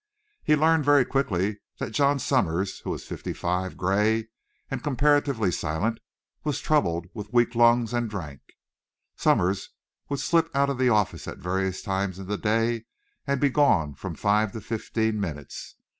He learned very quickly that John Summers, who was fifty five, grey, and comparatively silent, was troubled with weak lungs and drank. Summers would slip out of the office at various times in the day and be gone from five to fifteen minutes.